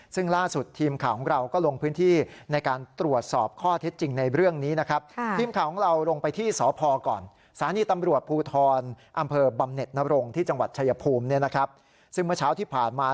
ซึ่งล่าสุดทีมข่าวของเราก็ลงพื้นที่